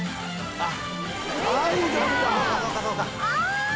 「あっ」